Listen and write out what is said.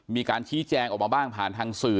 มีการชี้แจงออกมาบ้างผ่านทางสื่อ